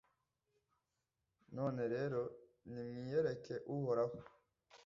none rero, nimwiyereke uhoraho